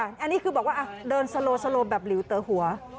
อันนี้คือบอกว่าเดินสโลโซโลแบบหลิวเต๋อหัว